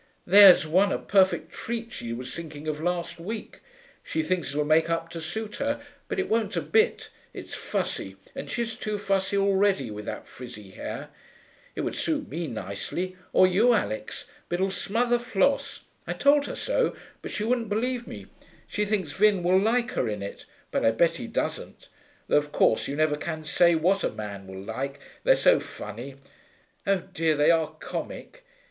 There's one a perfect treat she was thinking of last week; she thinks it'll make up to suit her, but it won't a bit; it's fussy, and she's too fussy already, with that frizzy hair. It would suit me nicely, or you, Alix, but it'll smother Floss. I told her so, but she wouldn't believe me. She thinks Vin will like her in it, but I bet he doesn't. Though, of course, you never can say what a man will like, they're so funny. Oh dear, they are comic!'